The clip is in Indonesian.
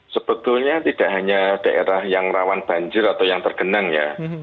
sebetulnya tidak hanya daerah yang rawan banjir atau yang tergenang ya